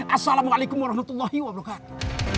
assalamualaikum warahmatullahi wabarakatuh